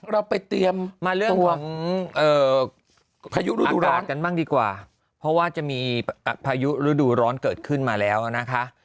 เราไปเตรียมมาเรื่องของพายุฤดูร้อนกันบ้างดีกว่าเพราะว่าจะมีพายุฤดูร้อนเกิดขึ้นมาแล้วนะคะ